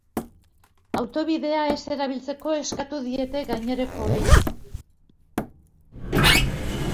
Autobidea ez erabiltzeko eskatu diete gainerakoei.